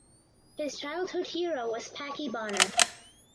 His childhood hero was Packie Bonner.